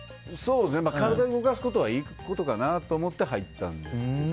体を動かすことはいいことかなと思って入ったんですけど。